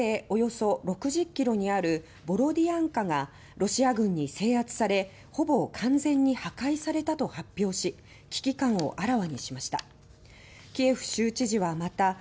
およそ６０ｋｍにあるボロディアンカがロシア軍に制圧され「ほぼ完全に破壊された」と発表し危機感をあらわにしました。